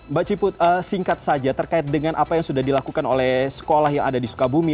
mbak ciput singkat saja terkait dengan apa yang sudah dilakukan oleh sekolah yang ada di sukabumi